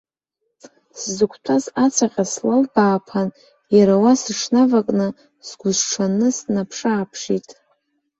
Сзықәтәаз ацаҟьа слалбааԥан, иара уа сыҽнавакны, сгәысҽанны саанаԥшы-ааԥшит.